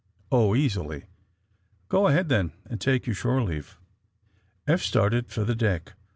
"Oh, easily." "Go, ahead, then, and take your shore leave. '^ Eph started for the deck.